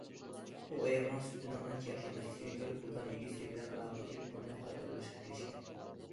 ئۇ ئاياغنىڭ سۈپىتىنىڭ ئانچە ياخشى ئەمەسلىكىنى كۆرۈپ، دۇكان ئىگىسى بىلەن ئالاقىلىشىپ، پۇلنى قايتۇرۇۋېلىشقا كېلىشكەن.